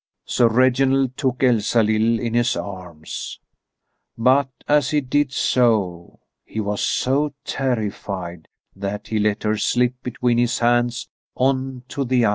Sir Reginald took Elsalill in his arms, but as he did so he was so terrified that he let her slip between his hands on to the ice.